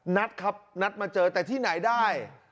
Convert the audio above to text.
นัดครับนัดมาเจอแต่ที่ไหนได้